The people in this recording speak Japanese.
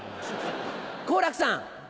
好楽さん。